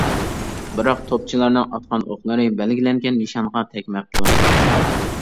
بىراق توپچىلارنىڭ ئاتقان ئوقلىرى بەلگىلەنگەن نىشانغا تەگمەپتۇ.